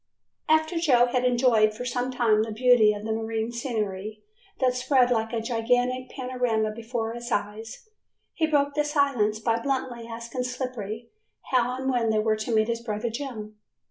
After Joe had enjoyed for some time the beauty of the marine scenery that spread like a gigantic panorama before his eyes, he broke the silence by bluntly asking Slippery how and when they were to meet his brother Jim.